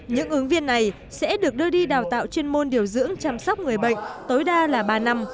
những ứng viên này sẽ được đưa đi đào tạo chuyên môn điều dưỡng chăm sóc người bệnh tối đa là ba năm